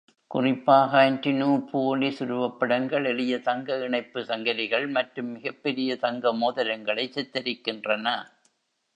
குறிப்பாக Antinoopolis உருவப்படங்கள் எளிய தங்க இணைப்பு சங்கிலிகள் மற்றும் மிகப்பெரிய தங்க மோதிரங்களை சித்தரிக்கின்றன.